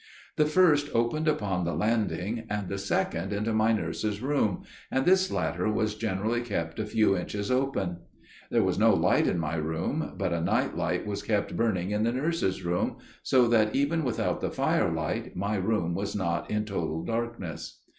The first opened upon the landing, and the second into my nurse's room, and this latter was generally kept a few inches open. There was no light in my room, but a night light was kept burning in the nurse's room, so that even without the firelight my room was not in total darkness.